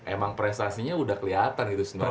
emang prestasinya udah kelihatan gitu sebenarnya